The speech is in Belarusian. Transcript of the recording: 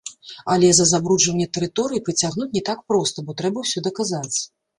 Але за забруджванне тэрыторыі прыцягнуць не так проста, бо трэба ўсё даказаць.